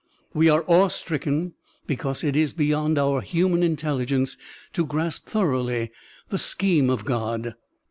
We are awe stricken because it is beyond our htmian intelligence to grasp thoroughly the scheme of God.